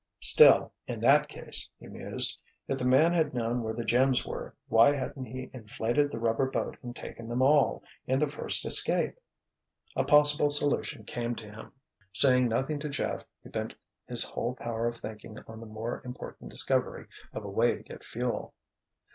Still, in that case, he mused, if the man had known where the gems were, why hadn't he inflated the rubber boat and taken them all, in the first escape? A possible solution came to him. Saying nothing to Jeff he bent his whole power of thinking on the more important discovery of a way to get fuel.